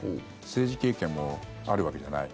政治経験もあるわけじゃない。